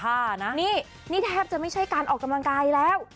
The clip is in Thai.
นี่นี่แทบจะไม่ใช่การออกกำลังกายแล้ว